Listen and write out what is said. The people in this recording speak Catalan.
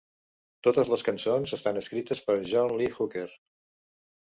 Totes les cançons estan escrites per John Lee Hooker.